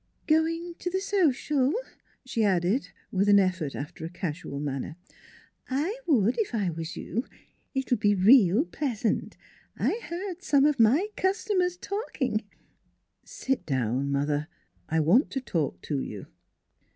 "Going to the social?" she added, with an effort after a casual manner. " I would, if I was you. It'll be real pleasant. I heard some of my customers talking "" Sit down, mother: I want to talk to you."